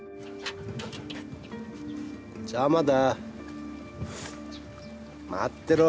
邪魔だ。